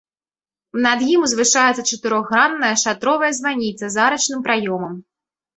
Над ім узвышаецца чатырохгранная шатровая званіца з арачным праёмам.